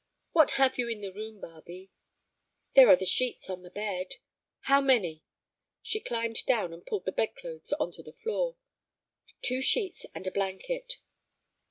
"What have you in the room, Barbe?" "There are the sheets on the bed." "How many?" She climbed down and pulled the bedclothes on to the floor. "Two sheets and the blanket."